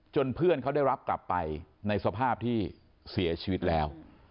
เพื่อนเขาได้รับกลับไปในสภาพที่เสียชีวิตแล้ว